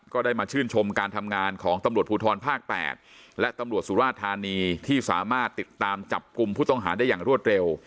ก็ได้มาชื่นชมการทำงานของตำรวจภูทรภาค๘และตำรวจสุราธานีที่สามารถติดตามจับกลุ่มผู้ต้องหาได้อย่างรวดเร็ว